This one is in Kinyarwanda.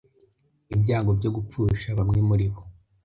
ibyago byo gupfusha bamwe muri bo